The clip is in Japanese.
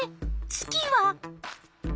月は？